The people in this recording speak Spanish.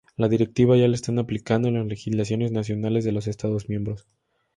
la directiva ya la están aplicando en las legislaciones nacionales de los Estados miembros